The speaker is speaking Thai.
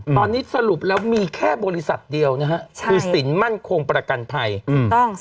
ตอนนี้สรุปแล้วมีแค่บริษัทเดียวนะฮะใช่คือสินมั่นคงประกันภัยถูกต้องค่ะ